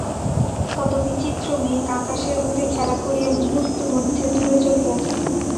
কত বিচিত্র মেঘ আকাশের বুকে খেলা করিয়া মুহূর্তমধ্যে দূরে চলিয়া যায়।